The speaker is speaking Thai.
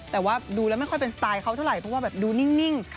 แต่ว่าดูแล้วไม่ค่อยเป็นสไตล์เขาเท่าไหร่เพราะว่าแบบดูนิ่ง